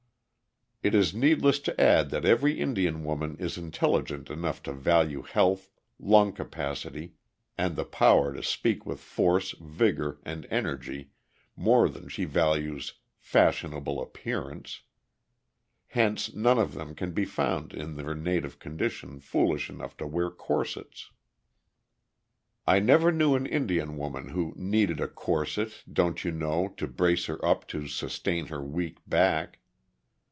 It is needless to add that every Indian woman is intelligent enough to value health, lung capacity, and the power to speak with force, vigor, and energy more than she values "fashionable appearance"; hence none of them can be found in their native condition foolish enough to wear corsets. I never knew an Indian woman who "needed a corset, don't you know, to brace her up, to sustain her weak back."